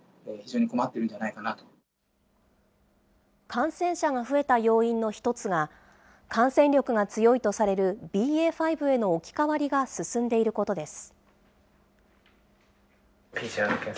感染者が増えた要因の一つが、感染力が強いとされるＢＡ．５への置き換わりが進んでいることです。